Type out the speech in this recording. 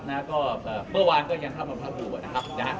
เมื่อวานก็ยังเข้ามาพักอยู่นะครับ